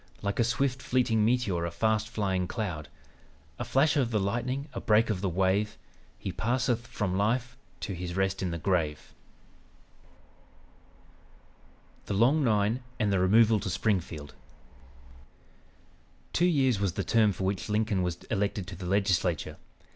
Like a swift fleeting meteor, a fast flying cloud, A flash of the lightning, a break of the wave, He passeth from life to his rest in the grave:'" "THE LONG NINE" AND THE REMOVAL TO SPRINGFIELD Two years was the term for which Lincoln was elected to the Legislature.